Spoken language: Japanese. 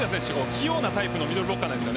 器用なタイプのミドルブロッカーなんです。